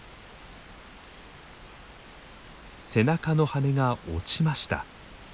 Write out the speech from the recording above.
背中の羽が落ちました。